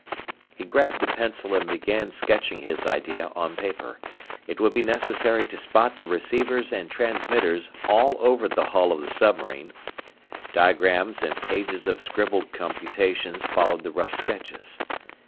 He grabbed a pencil and began sketching his idea on paper. It would be necessary to spot the receivers and transmitters all over the hull of the submarine. Diagrams and pages of scribbled computations followed the rough sketches.